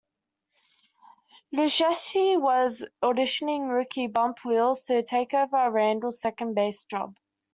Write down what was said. Lucchesi was auditioning rookie Bump Wills to take over Randle's second base job.